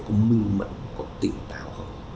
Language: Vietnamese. có minh mận có tỉnh tạo